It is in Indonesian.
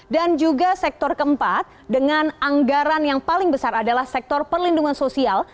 dan juga sektor keempat dengan anggaran yang paling besar adalah sektor perlindungan sosial